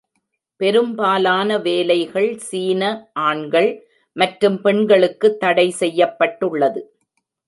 பெரும்பாலான வேலைகள் சீன ஆண்கள் மற்றும் பெண்களுக்கு தடை செய்யப்பட்டுள்ளது.